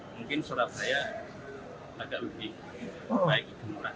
mungkin surabaya agak lebih murah